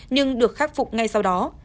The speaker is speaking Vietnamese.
nhưng được khắc phục ngay sau đó